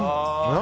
何？